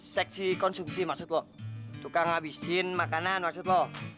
seksi konsumsi maksud lo tukang ngabisin makanan maksud lo